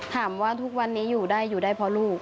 ถามว่าทุกวันนี้อยู่ได้อยู่ได้เพราะลูก